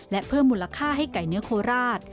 และเพิ่มมูลค่าให้ไก่เนื้อโคราช